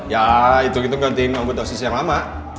ya itu gitu gantiin anggota osis yang lama